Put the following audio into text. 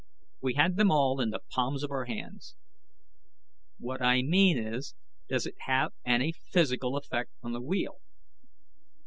We had them all in the palms of our hands. "What I mean is, does it have any physical effect on the wheel?"